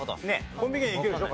コンビ芸人いけるでしょ？